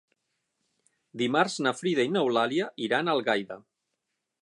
Dimarts na Frida i n'Eulàlia iran a Algaida.